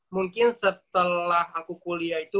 mungkin setelah aku kuliah itu